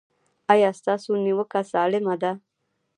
ایا ستاسو نیوکه سالمه ده؟